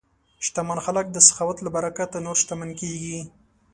شتمن خلک د سخاوت له برکته نور شتمن کېږي.